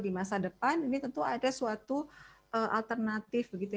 di masa depan ini tentu ada suatu alternatif begitu ya